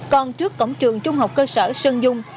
còn trước cổng trường trung học cơ sở sơn dung